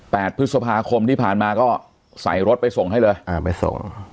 พฤษภาคมที่ผ่านมาก็ใส่รถไปส่งให้เลยอ่าไปส่ง